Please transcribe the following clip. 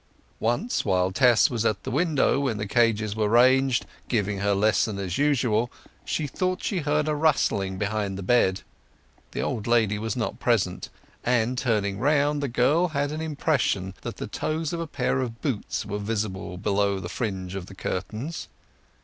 Once while Tess was at the window where the cages were ranged, giving her lesson as usual, she thought she heard a rustling behind the bed. The old lady was not present, and turning round the girl had an impression that the toes of a pair of boots were visible below the fringe of the curtains.